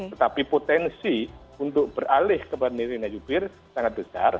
tetapi potensi untuk beralih kepada mirina yubir sangat besar